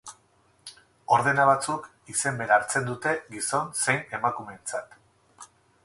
Ordena batzuk izen bera hartzen dute gizon zein emakumeentzat.